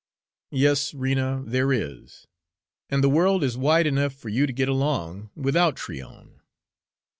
"Yes, Rena, there is; and the world is wide enough for you to get along without Tryon."